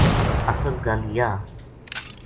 اصل گل یاہ